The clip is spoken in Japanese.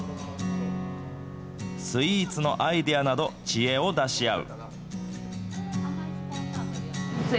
スイーツのアイデアなど、知恵を出し合う。